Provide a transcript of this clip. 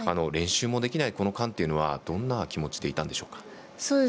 練習もできないこの間というのはどんな気持ちでいたんでしょうか。